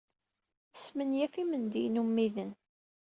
Tesmenyaf imendiyen ummiden.